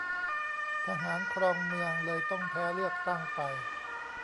ทหารครองเมือง เลยต้องแพ้เลือกตั้งไป